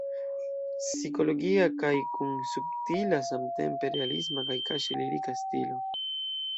Psikologia kaj kun subtila samtempe realisma kaj kaŝe lirika stilo.